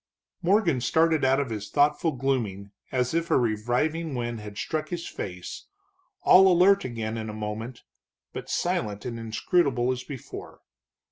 Morgan started out of his thoughtful glooming as if a reviving wind had struck his face, all alert again in a moment, but silent and inscrutable as before.